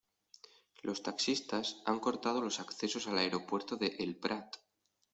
Los taxistas han cortado los accesos al aeropuerto de El Prat.